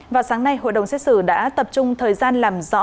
vào sáng nay hội đồng xét xử đã tập trung thời gian làm rõ